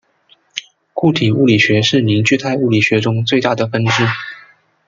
固体物理学是凝聚态物理学中最大的分支。